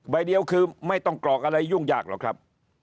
ใบเดียวคือไม่ต้องกรอกอะไรยุ่งยากหรอกครับ